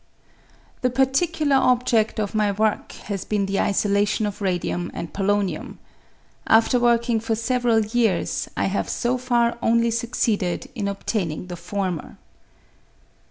The particular objed of my work has been the isolation of radium and polonium. After working for several years, I have so far only succeeded in obtaining the former.